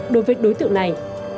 đối với đối tượng này